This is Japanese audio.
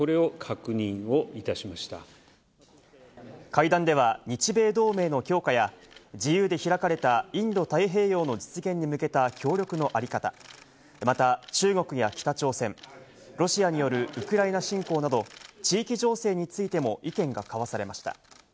会談では日米同盟の強化や、自由で開かれたインド太平洋の実現に向けた協力のあり方、また中国や北朝鮮、ロシアによるウクライナ侵攻など、地域情勢についても意見が交わされました。